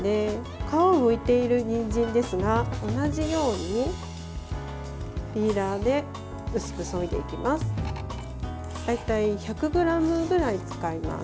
皮をむいているにんじんですが同じようにピーラーで薄くそいでいきます。